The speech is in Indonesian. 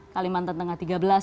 kalimantan tengah tiga belas